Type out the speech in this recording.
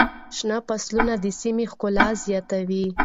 شنه فصلونه د سیمې ښکلا زیاتوي.